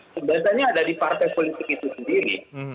sebenarnya ada di partai politik itu sendiri